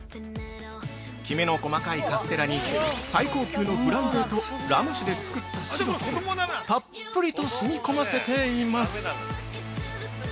きめの細かいカステラに最高級のブランデーとラム酒で作ったシロップをたっぷりと染み込ませています。